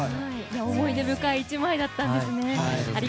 思い出深い１枚だったんですね。